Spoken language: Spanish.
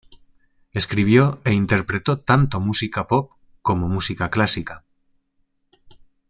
Escribió e interpretó tanto música pop como música clásica.